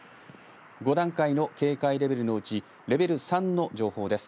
５段階の警戒レベルのうちレベル３の情報です。